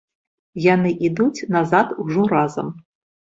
Яны ідуць назад ужо разам.